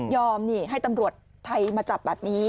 ให้ตำรวจไทยมาจับแบบนี้